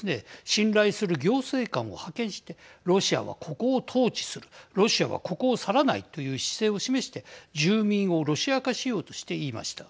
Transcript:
信頼する行政官を派遣してロシアはここを統治するロシアは、ここを去らないという姿勢を示して住民をロシア化しようとしていました。